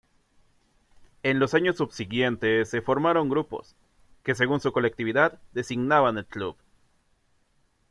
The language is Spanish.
En los años subsiguientes se formaron grupos, que según su colectividad designaban el Club.